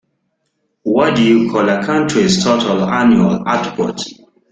What do you call a country's total annual output?